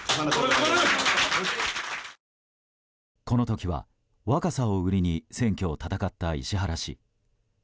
この時は、若さを売りに選挙を戦った石原氏。